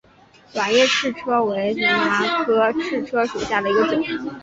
短叶赤车为荨麻科赤车属下的一个种。